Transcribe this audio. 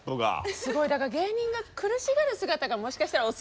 すごいだから芸人が苦しがる姿がもしかしたらお好きなのかも。